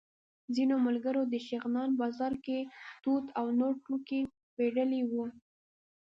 ځینو ملګرو د شغنان بازار کې توت او نور توکي پېرلي وو.